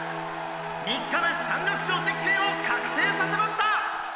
３日目山岳賞ゼッケンを確定させました！」